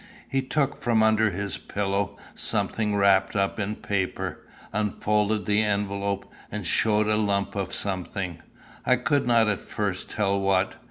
He took from under his pillow something wrapped up in paper, unfolded the envelope, and showed a lump of something I could not at first tell what.